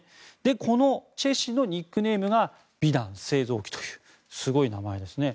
このチェ氏のニックネームが美談製造機というすごい名前ですね。